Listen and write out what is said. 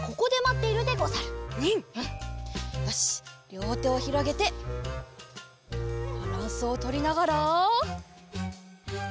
りょうてをひろげてバランスをとりながら。